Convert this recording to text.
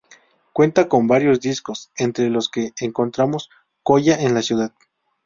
Cuenta con varios discos entre los que encontramos Kolla en la ciudad.